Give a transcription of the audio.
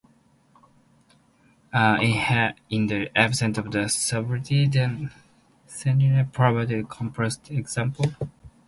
In the absence of associativity, the sedenions provide a counterexample.